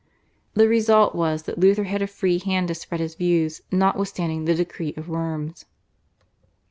The result was that Luther had a free hand to spread his views notwithstanding the decree of Worms.